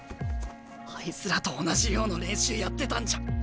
あいつらと同じような練習やってたんじゃ。